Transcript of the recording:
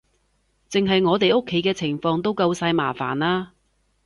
淨係我哋屋企嘅情況都夠晒麻煩喇